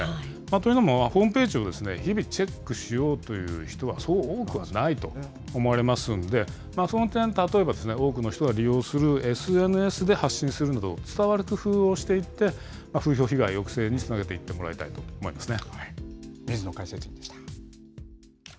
というのも、ホームページを日々、チェックしようという人はそう多くはないと思われますので、その点、例えば、多くの人が利用するＳＮＳで発信するなど、伝わる工夫をしていって、風評被害抑制につなげていってもらいたいと思いますね。